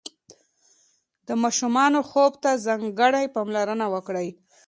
د ماشومانو خوب ته ځانګړې پاملرنه وکړئ.